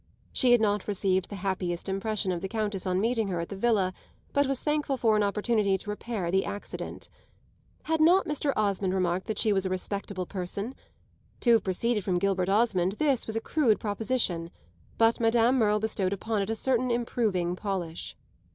She had not received the happiest impression of the Countess on meeting her at the villa, but was thankful for an opportunity to repair the accident. Had not Mr. Osmond remarked that she was a respectable person? To have proceeded from Gilbert Osmond this was a crude proposition, but Madame Merle bestowed upon it a certain improving polish.